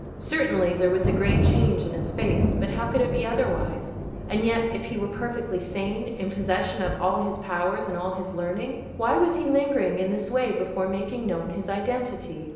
Certainly, there was a great change in his face; but how could it be otherwise? And yet, if he were perfectly sane—in possession of all his powers and all his learning, why was he lingering in this way before making known his identity?